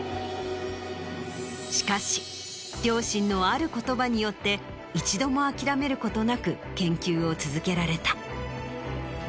しかし両親のある言葉によって一度も諦めることなく研究を続けられた。